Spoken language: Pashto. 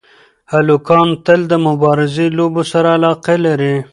هلکان تل د مبارزې لوبو سره علاقه لري.